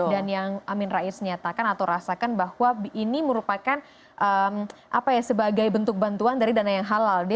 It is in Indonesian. dan yang amir rais nyatakan atau rasakan bahwa ini merupakan apa ya sebagai bentuk bantuan dari dana yang halal